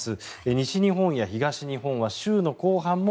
西日本や東日本は週の後半も